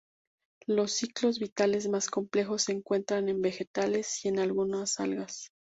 Los ciclos vitales más complejos se encuentran en vegetales y en algunas algas.